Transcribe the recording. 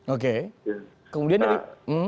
oke kemudian dari